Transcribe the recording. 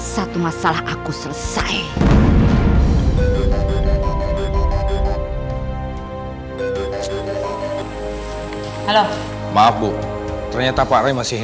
kita ganas semua sama aja sih